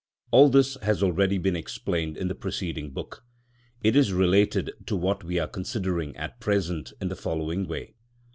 All this has already been explained in the preceding book; it is related to what we are considering at present in the following way.